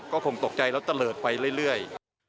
ก็คงตกใจแล้วตะเลิศไปเรื่อย